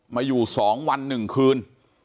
มาอยู่สองวันหนึ่งคืน